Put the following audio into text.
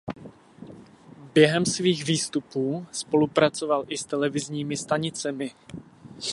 Během svých výstupů spolupracoval i s televizními stanicemi.